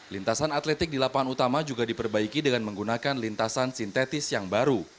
lintasan atletik di lapangan utama juga diperbaiki dengan menggunakan lintasan sintetis yang baru